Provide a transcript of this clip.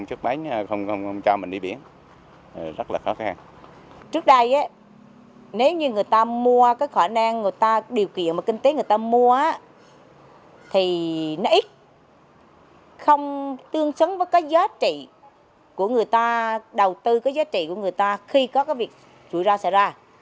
tàu cá không tương xứng với cái giá trị của người ta đầu tư cái giá trị của người ta khi có cái việc rủi ra xảy ra